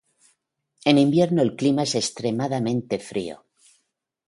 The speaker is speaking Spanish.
En invierno el clima es extremadamente frío.